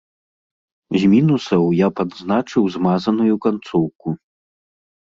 З мінусаў я б адзначыў змазаную канцоўку.